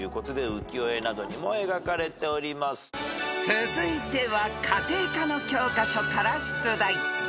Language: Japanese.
［続いては家庭科の教科書から出題］